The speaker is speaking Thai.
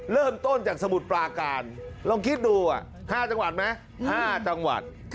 เริ่มต้นจากสมุทรปลาการลองคิดดู๕จังหวัดไหม๕จังหวัด